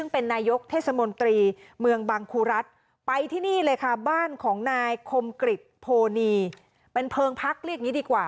เป็นเพิงพักเรียกอย่างนี้ดีกว่า